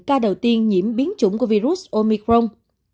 ca đầu tiên nhiễm biến chủng của virus omicron